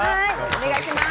お願いします。